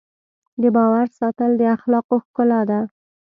د باور ساتل د اخلاقو ښکلا ده.